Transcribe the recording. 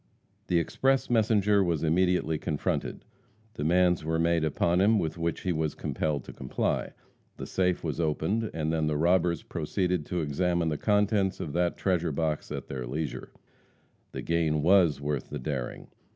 The express messenger was immediately confronted. Demands were made upon him with which he was compelled to comply. The safe was opened, and then the robbers proceeded to examine the contents of that treasure box at their leisure. The gain was worth the daring.